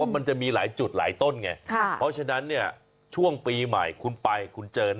เพราะฉะนั้นช่วงปีใหม่คุณไปคุณเจอแน่นอน